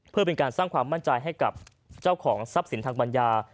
เพื่อเป็นการสร้างความมั่นใจให้กับเจ้าของทรัพย์สินทางปัญญา